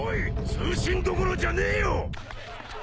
通信どころじゃねえよ！